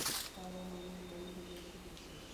কারন আমি ভুল থেকে শিখেছি।